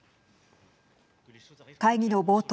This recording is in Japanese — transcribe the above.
会議の冒頭